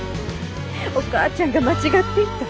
お母ちゃんが間違っていた。